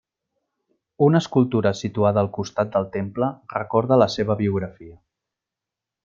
Una escultura situada al costat del temple recorda la seva biografia.